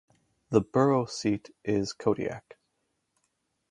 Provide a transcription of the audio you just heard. The borough seat is Kodiak.